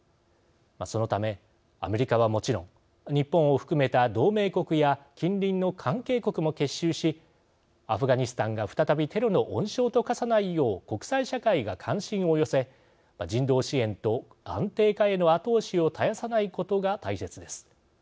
そのため、アメリカはもちろん日本を含めた同盟国や近隣の関係国も結集しアフガニスタンが再びテロの温床と化さないよう国際社会が関心を寄せ人道支援と安定化への後押しを絶やさないことが大切です。